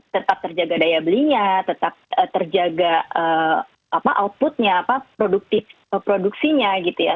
tetap terjaga daya belinya tetap terjaga outputnya produksinya gitu ya